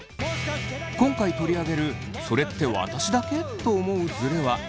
今回取り上げる「それって私だけ？」と思うズレは３つ。